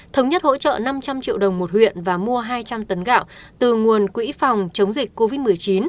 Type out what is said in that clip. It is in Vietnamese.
thống nhất hỗ trợ năm trăm linh triệu đồng một huyện và mua hai trăm linh tấn gạo từ nguồn quỹ phòng chống dịch covid một mươi chín